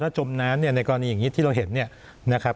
จมน้ำเนี่ยในกรณีอย่างนี้ที่เราเห็นเนี่ยนะครับ